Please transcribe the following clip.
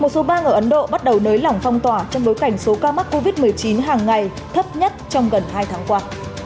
một số bang ở ấn độ bắt đầu nới lỏng phong tỏa trong bối cảnh số ca mắc covid một mươi chín hàng ngày thấp nhất trong gần hai tháng qua